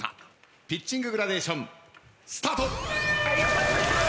ピッチンググラデーションスタート。